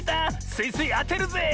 スイスイあてるぜ！